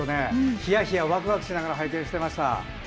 ひやひや、ワクワクしながら拝見していました。